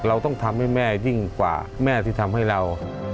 เราต้องทำให้แม่ยิ่งกว่าแม่ที่ทำให้เรา